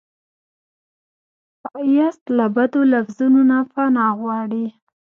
ښایست له بدو لفظونو نه پناه غواړي